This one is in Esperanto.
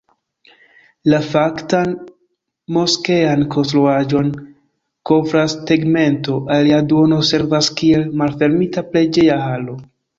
La faktan moskean konstruaĵon kovras tegmento, alia duono servas kiel malfermita preĝeja halo.